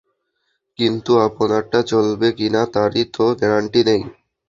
কিন্তু আপনারটা চলবে কিনা, তারই তো গ্যারান্টি নেই!